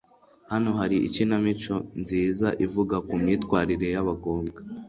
Hano hari ikinamico nziza ivuga kumyitwarire yabakobwa